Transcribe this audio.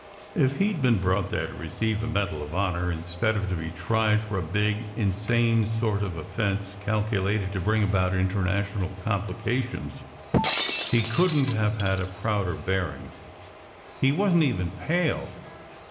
If he d been brought there to receive a medal of honour in stead of to be tried for a big, insane sort of offence calculated to bring about international complications he couldn t have had a prouder bearing. And he wasn t even pale.